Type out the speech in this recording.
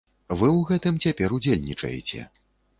Вы ў гэтым цяпер ўдзельнічаеце.